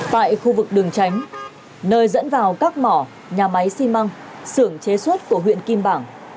tại khu vực đường tránh nơi dẫn vào các mỏ nhà máy xi măng xưởng chế xuất của huyện kim bảng